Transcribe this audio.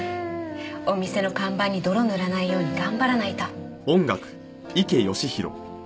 お店の看板に泥塗らないように頑張らないと。